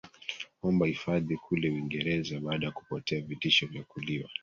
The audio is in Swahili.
omba hifadhi kule wingereza baada kupotea vitisho vya kuliwa